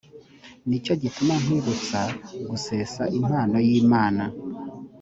ni cyo gituma nkwibutsa gusesa impano y imana